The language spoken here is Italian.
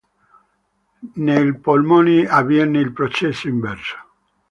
Nei polmoni avviene il processo inverso.